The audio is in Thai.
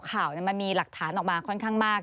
ข่าวมันมีหลักฐานออกมาค่อนข้างมาก